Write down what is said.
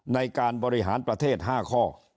ในการบริหารประเทศ๕ข้อ